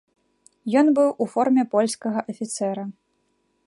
Ён быў у форме польскага афіцэра.